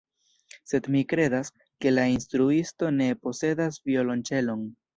Sed mi kredas, ke la instruisto ne posedas violonĉelon.